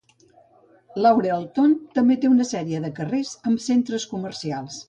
Laurelton també té una sèrie de carrers amb centres comercials.